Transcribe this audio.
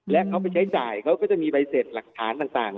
และเขาไปใช้จ่ายเขาก็จะมีใบเสร็จหลักฐานต่าง